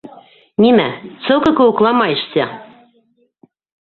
Нимә, целка кеүек ломаешься?